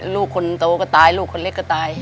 ลูกคนโตก็ตายลูกคนเล็กก็ตาย